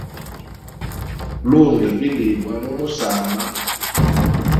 Lunda bilibwa mu musamba.